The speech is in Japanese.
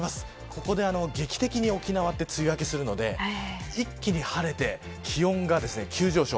ここで劇的に沖縄って梅雨明けをするので一気に晴れて気温が急上昇。